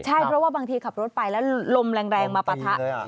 ใช่เพราะว่าบางทีขับรถไปแล้วลมแรงมาปะทะ